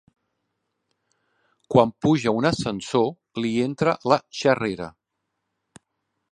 Quan puja a un ascensor li entra la xerrera.